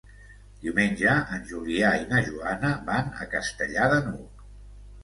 Diumenge en Julià i na Joana van a Castellar de n'Hug.